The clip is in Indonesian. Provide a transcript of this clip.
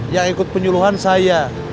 yang ikut penyuluhan saya